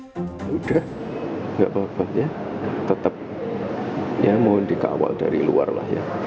sudah tidak apa apa ya tetap ya mohon dikawal dari luar lah ya